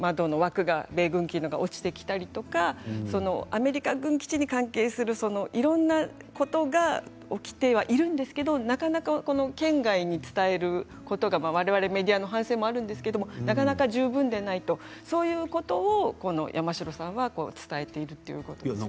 米軍機の窓枠が落ちてきたりとかアメリカ軍基地に関するいろいろなことが起きてはいるんですけれどなかなか県外に伝えることがわれわれメディアの反省でもあるんですがなかなか十分ではないそういうことを山城さんは伝えているということです。